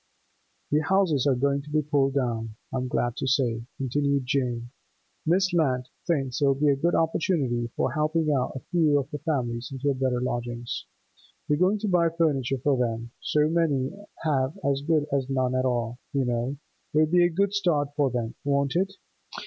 'The houses are going to be pulled down, I'm glad to say,' continued Jane. 'Miss Lant thinks it'll be a good opportunity for helping a few of the families into better lodgings. We're going to buy furniture for them—so many have as good as none at all, you know. It'll be a good start for them, won't it?